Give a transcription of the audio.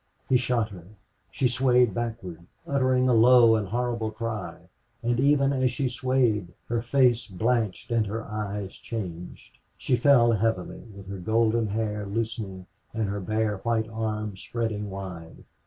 He shot her. She swayed backward, uttering a low and horrible cry, and even as she swayed her face blanched and her eyes changed. She fell heavily, with her golden hair loosening and her bare white arms spreading wide.